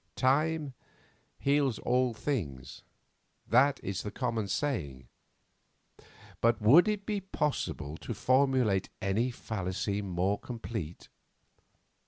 Time heals all things, that is the common saying; but would it be possible to formulate any fallacy more complete?